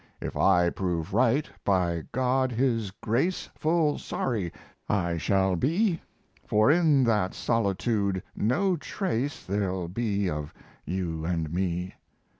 If I prove right, by God His grace, Full sorry I shall be, For in that solitude no trace There'll be of you and me.